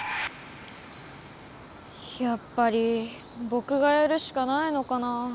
やっぱりぼくがやるしかないのかな。